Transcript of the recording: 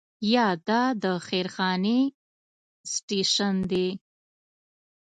یا دا د خير خانې سټیشن دی.